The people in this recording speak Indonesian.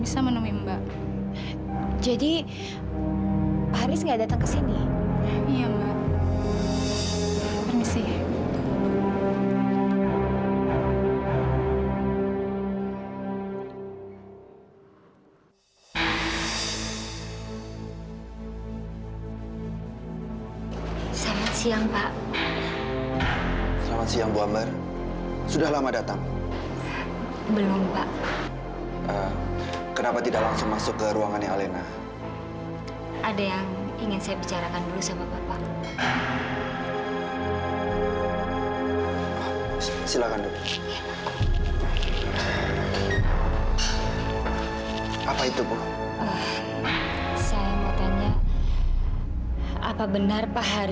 sampai jumpa di video selanjutnya